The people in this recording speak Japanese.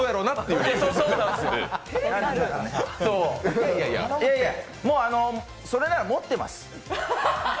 いやいや、それなら持ってます。